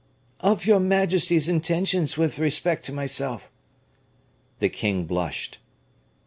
"Of your majesty's intentions with respect to myself." The king blushed.